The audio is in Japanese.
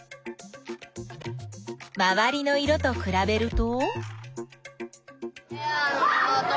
まわりの色とくらべると？